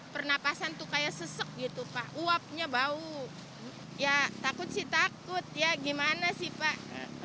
pernapasan tuh kayak sesek gitu pak uapnya bau ya takut sih takut ya gimana sih pak